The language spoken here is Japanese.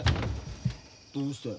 どうして？